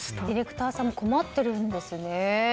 ディレクターさんも困っているんですね。